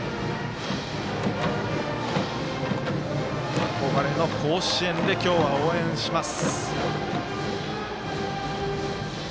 あこがれの甲子園で今日は応援します。